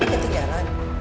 gak ada yang ketinggalan